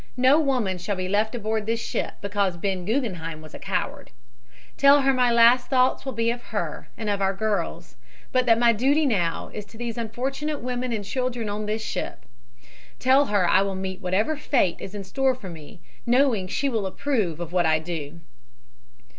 No woman shall be left aboard this ship because Ben Guggenheim was a coward. "'Tell her that my last thoughts will be of her and of our girls, but that my duty now is to these unfortunate women and children on this ship. Tell her I will meet whatever fate is in store for me, knowing she will approve of what I do.'"